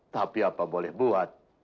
tapi apa boleh buat